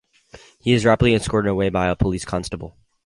He is rapidly escorted away by a police constable.